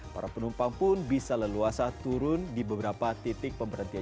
para penumpang pun bisa leluasa turun di beberapa titik pemberhentian